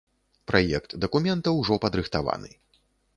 Праект дакумента ўжо падрыхтаваны.